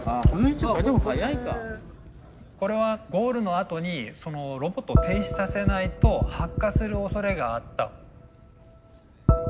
これはゴールのあとにそのロボットを停止させないと発火するおそれがあった。